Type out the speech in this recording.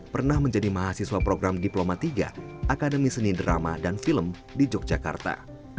pernah menjadi mahasiswa program diploma tiga akademi seni drama dan film di yogyakarta